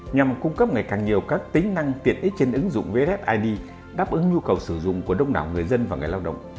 nhằm cung cấp ngày càng nhiều các tính năng tiện ích trên ứng dụng vssid đáp ứng nhu cầu sử dụng của đông đảo người dân và người lao động